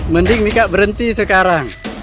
mending mika berhenti sekarang